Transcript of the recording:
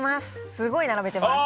すごい並べてます。